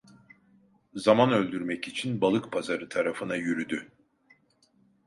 Zaman öldürmek için Balıkpazarı tarafına yürüdü.